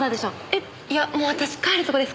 えっいやもう私帰るところですから。